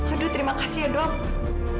aduh terima kasih ya dok